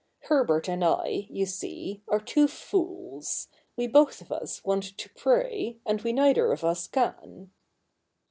Herbert and I, you see, are two fools. We both of us want to pray, and we neither of us can.'